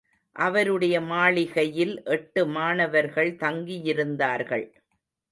அவருடைய மாளிகையில் எட்டு மாணவர்கள் தங்கியிருந்தார்கள்.